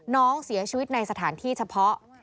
น้องเสียชีวิตในสถานที่เฉพาะ